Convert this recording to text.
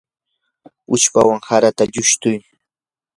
uchpawan harata llushtuy.